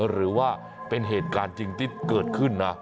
หรือว่าเป็นเหตุการณ์จริงที่เกิดขึ้นนะ